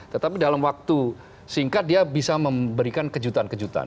tetapi dalam waktu singkat dia bisa memberikan kejutan kejutan